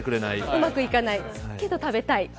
うまくいかない、けど食べたい。